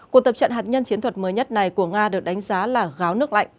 cuộc tập trận hạt nhân chiến thuật mới nhất này của nga được đánh giá là gáo nước lạnh